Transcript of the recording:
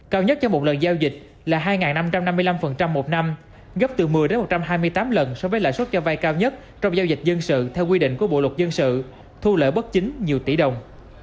cao nhất cho một lần giao dịch là hai năm trăm năm mươi năm một năm gấp từ một mươi một trăm hai mươi tám lần so với lãi suất cho vai cao nhất trong giao dịch dân sự theo quy định của bộ luật dân sự thu lợi bất chính nhiều tỷ đồng